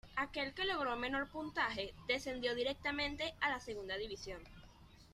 Aquel que logró menor puntaje descendió directamente a la Segunda División.